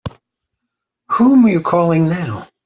Whom are you calling now?